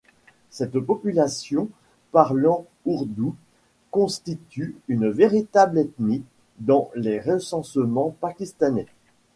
Cette population parlant ourdou constitue une véritable ethnie dans les recensements pakistanais.